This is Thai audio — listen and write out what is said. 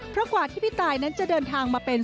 เพราะกว่าที่พี่ตายนั้นจะเดินทางมาเป็น